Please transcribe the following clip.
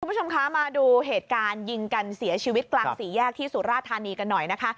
คุณผู้ชมคะมาดูเหตุการณ์ยิงกันเสียชีวิตกลางสี่แยกที่สุราธานีกันหน่อยนะคะ